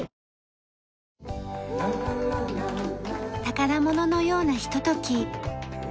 宝物のようなひととき。